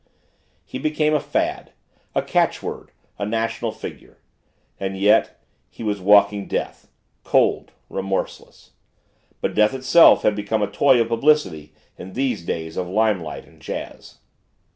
He became a fad a catchword a national figure. And yet he was walking Death cold remorseless. But Death itself had become a toy of publicity in these days of limelight and jazz.